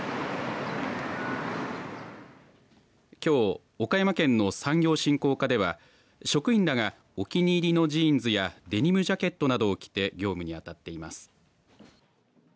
きょう岡山県の産業振興課では職員らがお気に入りのジーンズやデニムジャケットなどを着て業務に当たっています。